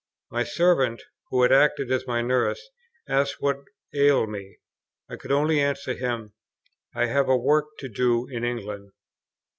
My servant, who had acted as my nurse, asked what ailed me. I could only answer him, "I have a work to do in England."